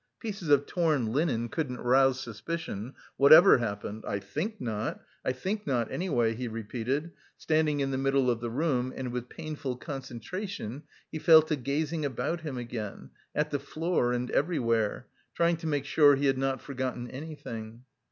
"Pieces of torn linen couldn't rouse suspicion, whatever happened; I think not, I think not, any way!" he repeated, standing in the middle of the room, and with painful concentration he fell to gazing about him again, at the floor and everywhere, trying to make sure he had not forgotten anything.